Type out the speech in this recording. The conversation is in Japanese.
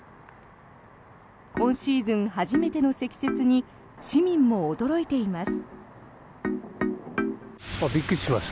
今シーズン初めての積雪に市民も驚いています。